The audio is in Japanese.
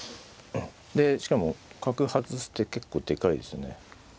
でしかも角外す手結構でかいですよね。